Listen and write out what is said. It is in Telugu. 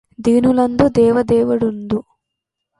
దీనులందు దేవదేవుడుండు